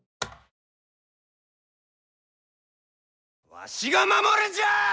わしが守るんじゃあ！